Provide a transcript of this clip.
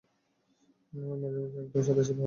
আর মাঝেমধ্যে, একদম সাদাসিধে হওয়াই ভাল।